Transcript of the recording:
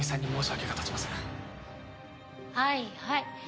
はいはい。